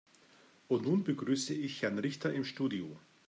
Und nun begrüße ich Herrn Richter im Studio.